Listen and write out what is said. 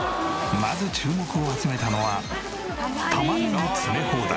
まず注目を集めたのはたまねぎの詰め放題。